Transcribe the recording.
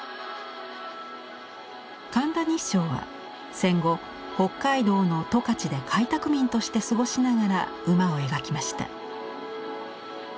神田日勝は戦後北海道の十勝で開拓民として過ごしながら馬を描きました。